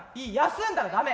休んだらダメ。